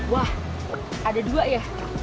wah ada dua ya